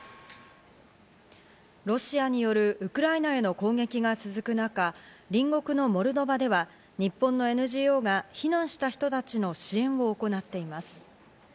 ロシアによるウクライナへの攻撃が続く中、隣国のモルドバでは日本のＮＧＯが避難した人たちの支援を行っています。